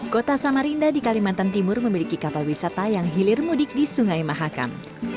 kota samarinda di kalimantan timur memiliki kapal wisata yang hilir mudik di sungai mahakam